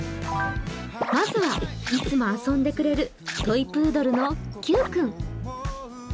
まずはいつも遊んでくれるトイプードルのきゅう君。